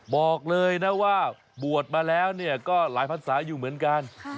บอกเลยนะว่าบวชมาแล้วก็หลายภาษาอยู่เหมือนกัน